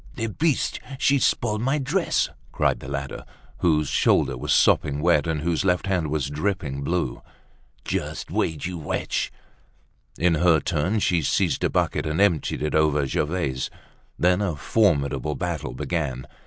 "The beast! She's spoilt my dress!" cried the latter, whose shoulder was sopping wet and whose left hand was dripping blue. "Just wait, you wretch!" In her turn she seized a bucket, and emptied it over Gervaise. Then a formidable battle began.